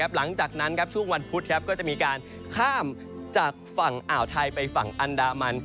หลังจากนั้นช่วงวันพุธก็จะมีการข้ามจากฝั่งอ่าวไทยไปฝั่งอันดามัน